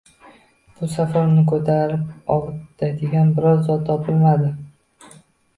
Bu safar uni ko’tarib ovutadigan biror zot topilmadi.